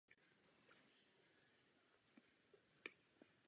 Pak se stal náměstkem ministra kultury.